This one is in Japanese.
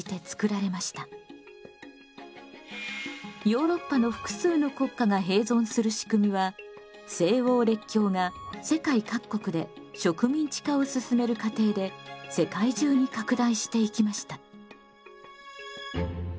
ヨーロッパの複数の国家が並存するしくみは西欧列強が世界各国で植民地化を進める過程で世界中に拡大していきました。